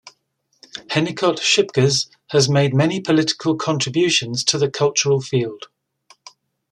Hennicot-Schoepges has made many political contributions to the cultural field.